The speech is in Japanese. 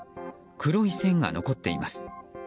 黒い線が残っています。